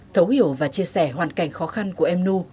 thấu hiểu và chia sẻ hoàn cảnh khó khăn của em nu